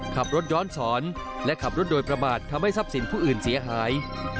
ขับรถย้อนสอนและขับรถโดยประมาททำให้ทรัพย์สินผู้อื่นเสียหาย